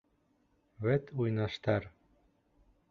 Вәт уйнаштар!